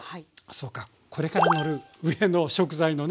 そうかこれからのる上の食材のね